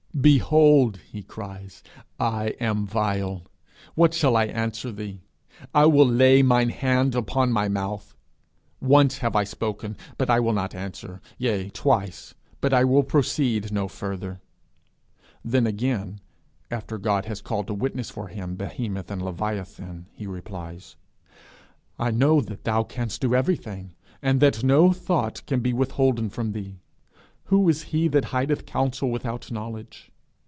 'Behold,' he cries, 'I am vile; what shall I answer thee? I will lay mine hand upon my mouth. Once have I spoken; but I will not answer: yea, twice; but I will proceed no further.' Then again, after God has called to witness for him behemoth and leviathan, he replies, 'I know that thou canst do everything, and that no thought can be withholden from thee. Who is he that hideth counsel without knowledge?'